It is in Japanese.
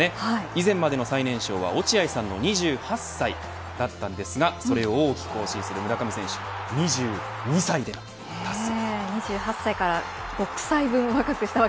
以前までの最年少は落合さんの２８歳だったんですがそれを大きく更新する村上選手、２２歳で達成。